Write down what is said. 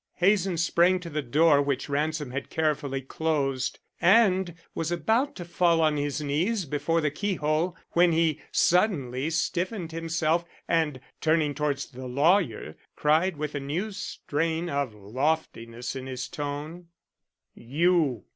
Hazen sprang to the door which Ransom had carefully closed, and was about to fall on his knees before the keyhole when he suddenly stiffened himself and, turning towards the lawyer, cried with a new strain of loftiness in his tone: "You.